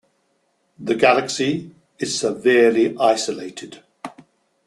The galaxy is severely isolated.